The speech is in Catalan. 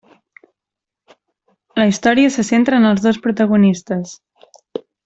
La història se centra en els dos protagonistes.